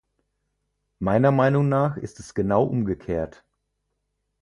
Meiner Meinung nach ist es genau umgekehrt.